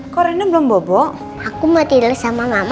karena rena gak tidur sama mama